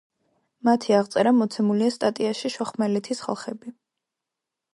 მათი აღწერა მოცემულია სტატიაში შუახმელეთის ხალხები.